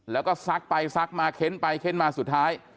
แล้วก็ซักไปซักมาเค้นไปเค้นมาสุดท้าย